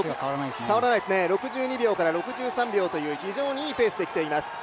６２秒から６３秒という非常にいいペースで来ています。